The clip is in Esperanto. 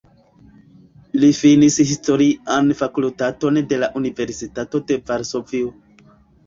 Li finis Historian Fakultaton de la Universitato de Varsovio.